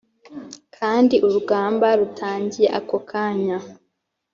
kandi urugamba rutangiye ako kanya